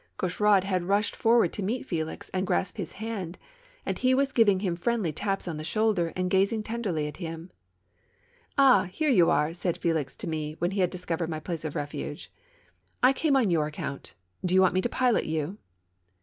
Gaucheraud had rushed forward to meet Felix and grasp his hand ; and he was giving him friendly taps on the shoulder and gazing tenderly at him. "Ah! here you are!" said Felix to me when he had discovered my place of refuge. "I came on your ac count. Do you want me to pilot you?"